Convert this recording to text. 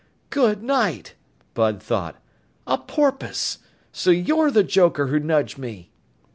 "Good night!" Bud thought. "A porpoise! So you're the joker who nudged me!"